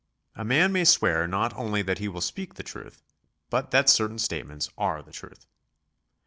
A man may swear not only that he will speak the truth, but that certain statements are the truth.